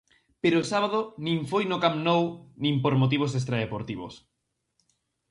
Pero o sábado nin foi no Camp Nou nin por motivos extradeportivos.